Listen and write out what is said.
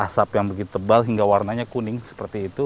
asap yang begitu tebal hingga warnanya kuning seperti itu